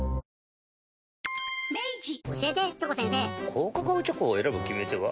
高カカオチョコを選ぶ決め手は？